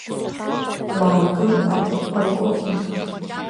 Уаагыл, аподполковник!